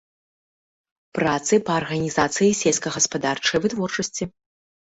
Працы па арганізацыі сельскагаспадарчай вытворчасці.